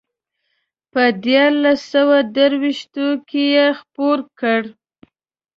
په دیارلس سوه درویشتو کې یې خپور کړ.